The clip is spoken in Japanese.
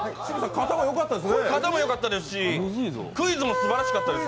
型もよかったですしクイズもすばらしかったです！